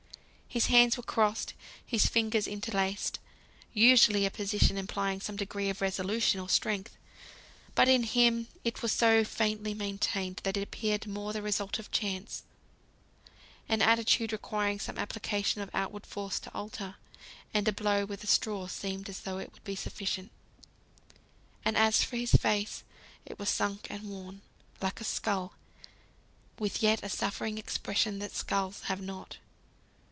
His hands were crossed, his fingers interlaced; usually a position implying some degree of resolution, or strength; but in him it was so faintly maintained, that it appeared more the result of chance; an attitude requiring some application of outward force to alter, and a blow with a straw seemed as though it would be sufficient. And as for his face, it was sunk and worn, like a skull, with yet a suffering expression that skulls have not!